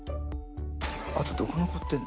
あとどこ残ってる？